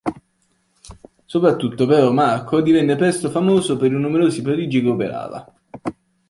Soprattutto, però, Marco divenne presto famoso per i numerosi prodigi che operava.